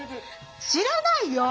知らないよ！